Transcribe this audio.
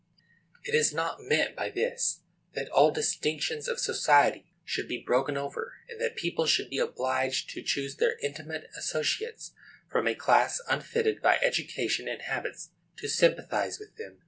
It is not meant by this that all distinctions of society should be broken over, and that people should be obliged to choose their intimate associates from a class unfitted by education and habits to sympathize with them.